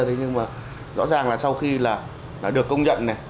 thế nhưng mà rõ ràng là sau khi là được công nhận này